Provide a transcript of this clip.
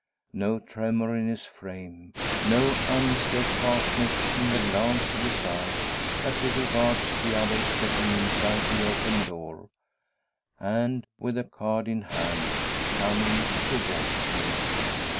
No tremor in his frame; no unsteadfastness in the glance of his eye, as he regards the other stepping inside the open door, and with the card in hand, coming towards him.